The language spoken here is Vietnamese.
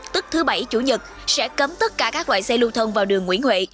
tức thứ bảy chủ nhật sẽ cấm tất cả các loại xe lưu thông vào đường nguyễn huệ